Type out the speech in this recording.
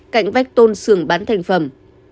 cạnh vách tôn xưởng bán thành phẩm